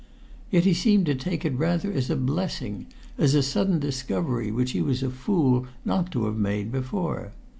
Yet he seemed to take it rather as a blessing, as a sudden discovery which he was a fool not to have made before.